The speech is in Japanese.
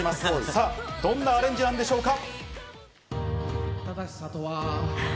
さあ、どんなアレンジなんでしょうか？